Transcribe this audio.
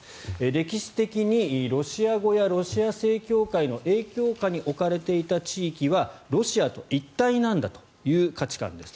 歴史的にロシア語やロシア正教会の影響下に置かれていた地域はロシアと一体なんだという価値観です。